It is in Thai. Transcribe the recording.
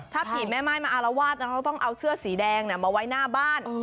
ถ้าผีแม่ไม้มาอารวาสเขาต้องเอาเสื้อสีแดงมาไว้หน้าบ้าน